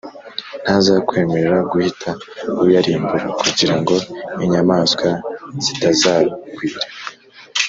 Ntazakwemerera guhita uyarimbura, kugira ngo inyamaswa zitazagwira